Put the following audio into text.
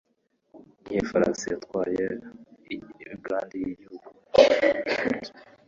Niyihe farasi yatwaye Grand y'Igihugu muri uyu mwaka?